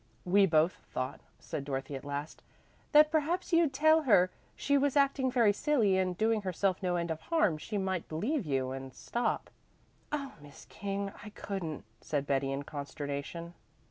"We both thought," said Dorothy at last, "that perhaps if you'd tell her she was acting very silly and doing herself no end of harm she might believe you and stop." "Oh, Miss King, I couldn't," said Betty in consternation.